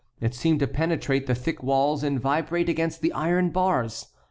It seemed to penetrate the thick walls, and vibrate against the iron bars.